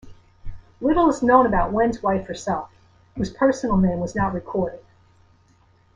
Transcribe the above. Little is known about Wen's wife herself, whose personal name was not recorded.